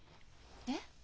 えっ？